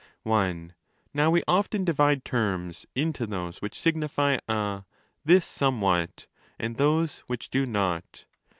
(i) Now we often divide terms into those which signify a 'this somewhat' and those which do not.